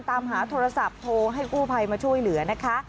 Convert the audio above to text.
ตามหาโทรศัพท์โทรให้กู้ภัยมาช่วยเหลือนะคะ